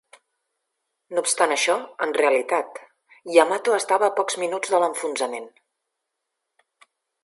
No obstant això, en realitat, "Yamato" estava a pocs minuts de l'enfonsament.